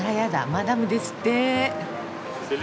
マダムですって。